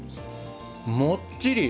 もっちり！